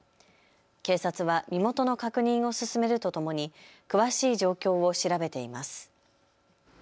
警察は身元の確認を進めるとともに詳しい状況を調べています。